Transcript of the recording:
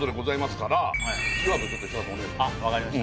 お願いします。